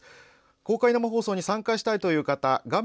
公開生放送に参加したいという方画面